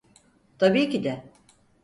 Tabii ki de.